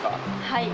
はい。